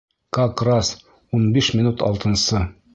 Как раз... ун биш минут алтынсы.